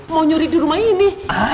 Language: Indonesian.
mau nyuri dirumah ini